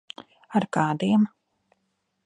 Ar kādiem?